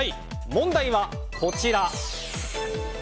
問題は、こちら。